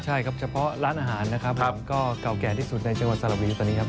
ใช่ครับเฉพาะร้านอาหารนะครับผมก็เก่าแก่ที่สุดในจังหวัดสระบุรีตอนนี้ครับ